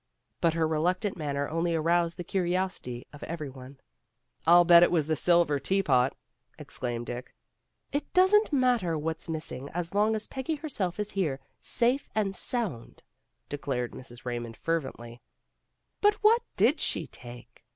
But her reluctant manner only aroused the curiosity of every one. "I'll bet it was the silver teapot," exclaimed Dick. "It doesn't matter what's missing, as long as Peggy herself is here safe and sound," de clared Mrs. Raymond fervently. A MISSING BRIDE 311 "But what did she take?"